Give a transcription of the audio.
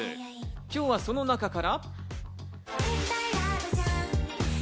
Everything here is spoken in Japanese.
今日はその中から。